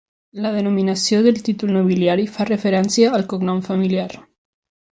La denominació del títol nobiliari fa referència al cognom familiar.